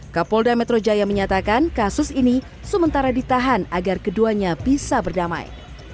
kapolda metro jaya menyatakan kasus ini sementara ditahan agar keduanya bisa berdamai